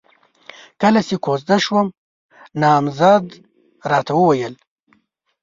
کله چې کوژده شوم، نامزد راته وويل: